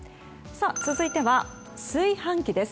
続いては、炊飯器です。